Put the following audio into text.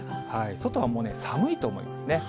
外はもう寒いと思いますね。